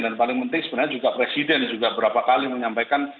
dan paling penting sebenarnya juga presiden juga berapa kali menyampaikan